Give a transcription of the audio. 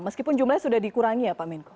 meskipun jumlahnya sudah dikurangi ya pak menko